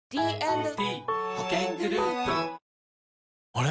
あれ？